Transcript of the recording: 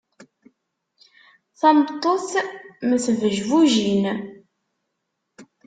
Tameṭṭut mm tbejbujin.